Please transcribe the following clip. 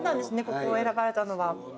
ここを選ばれたのは。